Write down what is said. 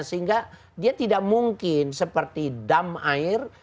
sehingga dia tidak mungkin seperti dam air